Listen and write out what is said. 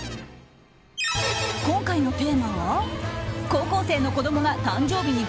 今回のテーマは高校生の子供が誕生日に